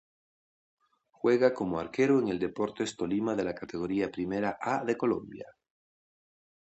Juega como arquero en el Deportes Tolima de la Categoría Primera A de Colombia.